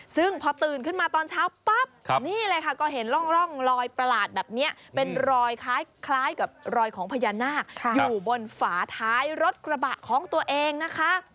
ซึ่งพอตื่นขึ้นมาตอนเช้าปั๊บนี่เลยค่ะก็เห็นร่องรอยประหลาดแบบนี้เป็นรอยคล้ายกับรอยของพญานาคอยู่บนฝาท้ายรถกระบะของตัวเองนะคะ